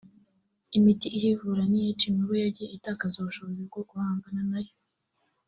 imiti iyivura n’iyica imibu yagiye itakaza ubushobozi bwo guhangana nayo